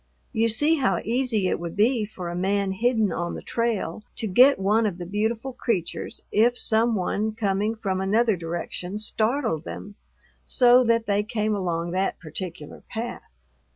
You see how easy it would be for a man hidden on the trail to get one of the beautiful creatures if some one coming from another direction startled them so that they came along that particular path.